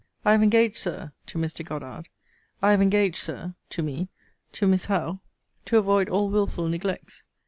I have engaged, Sir, (to Mr. Goddard,) I have engaged, Sir, (to me,) to Miss Howe, to avoid all wilful neglects.